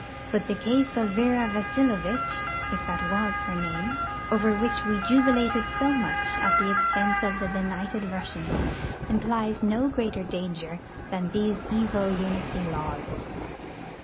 But the case of Vera Vasilovitch (if that was her name), over which we jubilated so much at the expense of the benighted Russians, implies no greater danger than these evil lunacy laws.